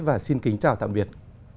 và xin kính chào tạm biệt